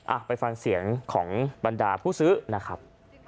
อ่ะไปฟังเสียงของบรรดาผู้ซื้อนะครับ